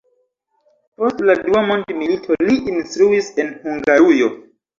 Post la dua mondmilito li instruis en Hungarujo.